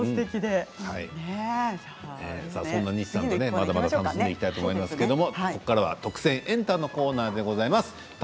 そんな西さんとまだまだ進めていきたいと思いますがここから「特選！エンタ」のコーナーです。